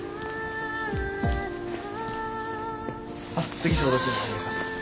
次消毒お願いします。